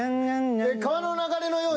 「川の流れのように」。